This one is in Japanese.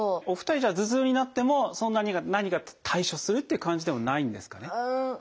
お二人は頭痛になってもそんなに何か対処するっていう感じでもないんですかね？